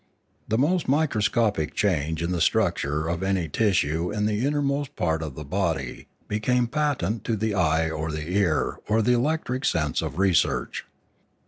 The most microscopic change in the structure of any tissue in the innermost part of the body became patent to the eye or the ear or the electric sense of research.